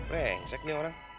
rengsek nih orang